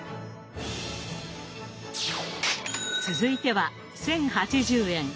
続いては１，０８０円。